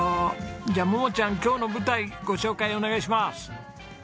じゃ桃ちゃん今日の舞台ご紹介お願いします！